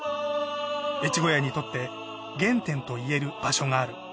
越後屋にとって原点といえる場所がある。